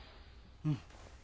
うん